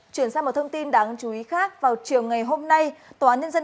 chuyển sang một thông tin đáng chú ý khác vào chiều ngày hôm nay tòa án nhân dân